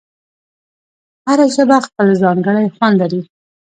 هره ژبه خپل ځانګړی خوند لري.